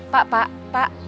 pak pak pak